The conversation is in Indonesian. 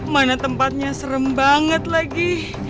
mana tempatnya serem banget lagi